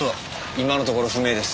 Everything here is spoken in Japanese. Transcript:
今のところ不明です。